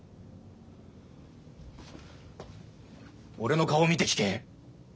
俺の顔見て聞け。